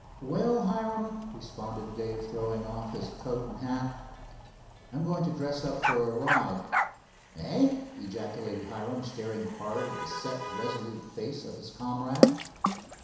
"Well, Hiram," responded Dave, throwing off his coat and hat, "I'm going to dress up for a ride." "Eh?" ejaculated Hiram, staring hard at the set resolute face of his comrade.